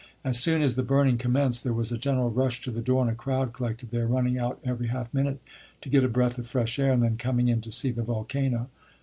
As soon as the burning commenced, there was a general rush to the door, and a crowd collected there, running out every half minute to get a breath of fresh air, and then coming in to see the volcano.